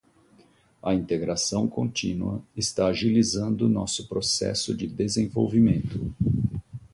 A integração contínua está agilizando nosso processo de desenvolvimento.